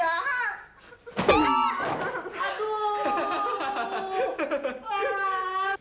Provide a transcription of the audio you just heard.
kau ini jahat